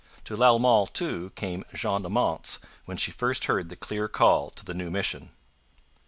To Lalemant, too, came Jeanne Mance when she first heard the clear call to the new mission.